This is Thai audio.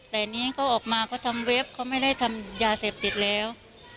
แต่นี้ก็ออกมาก็ทำเวฟก็ไม่ได้ทำยาเสพติดแล้ว